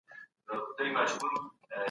علمي مرکزونه باید ګډ مېتود عملي کړي.